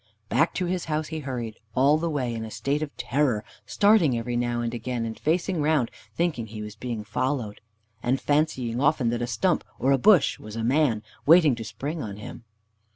Back to his house he hurried, all the way in a state of terror, starting every now and again and facing round, thinking he was being followed, and fancying often that a stump or a bush was a man, waiting to spring on him.